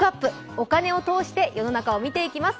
お金を通して世の中を見ていきます。